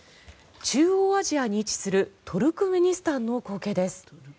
中央アジアに位置するトルクメニスタンの光景です。